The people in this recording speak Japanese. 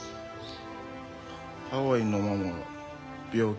ハワイのママ病気。